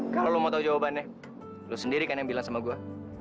kalau lo mau tau jawabannya lu sendiri kan yang bilang sama gue